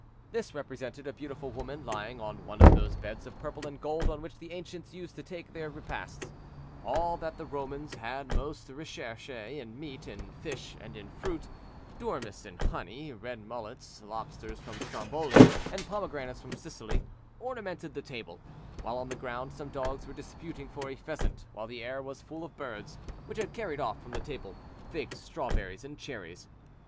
This represented a beautiful woman lying on one of those beds of purple and gold on which the ancients used to take their repasts; all that the Romans had most recherche in meat, in fish, and in fruit, dormice in honey, red mullets, lobsters from Stromboli, and pomegranates from Sicily, ornamented the table, while on the ground some dogs were disputing for a pheasant, while the air was full of birds, which had carried off from the table, figs, strawberries, and cherries.